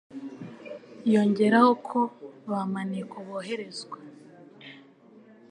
Yongeraho ko ba maneko boherezwa